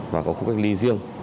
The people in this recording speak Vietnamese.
và có khu cách ly riêng